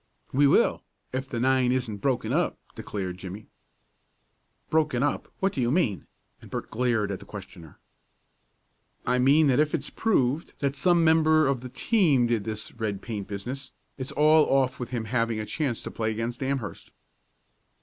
"We will if the nine isn't broken up," declared Jimmie. "Broken up what do you mean?" and Bert glared at the questioner. "I mean that if it's proved that some member of the team did this red paint business it's all off with him having a chance to play against Amherst."